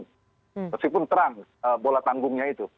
meskipun terang bola tanggungnya itu